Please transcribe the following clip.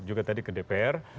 juga tadi ke dpr